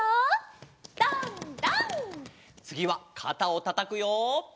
つぎはかたをたたくよ。